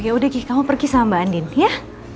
ya udah kih kamu pergi sama mbak andin ya